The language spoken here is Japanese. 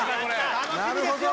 楽しみですよ